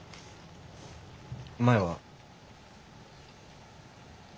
前は。